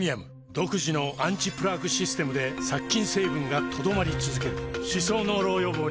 独自のアンチプラークシステムで殺菌成分が留まり続ける歯槽膿漏予防にプレミアム